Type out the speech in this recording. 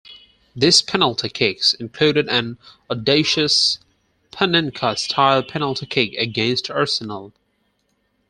These penalty kicks included an audacious 'Panenka' style penalty kick against Arsenal.